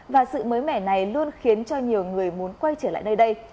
và sự mới mẻ này luôn khiến cho nhiều người muốn quay trở lại nơi đây